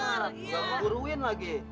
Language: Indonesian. udah nguruin lagi